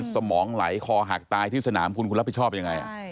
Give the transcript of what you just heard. สมองไหลคอหักตายที่สนามคุณคุณรับผิดชอบยังไง